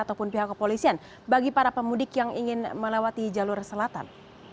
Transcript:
ataupun pihak kepolisian bagi para pemudik yang ingin melewati jalur selatan